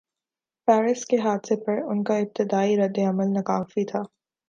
Paris کے حادثے پر ان کا ابتدائی رد عمل ناکافی تھا۔